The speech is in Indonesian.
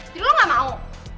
jadi lo gak mau